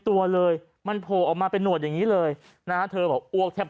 ตัวเลยมันโผล่ออกมาเป็นหวดอย่างนี้เลยนะฮะเธอบอกอ้วกแทบ